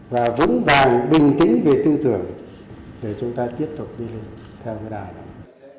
và vững vàng bình tĩnh về tư tưởng để chúng ta tiếp tục đi lên theo đảng